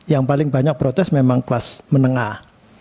yang paling banyak protes memang kelas menengah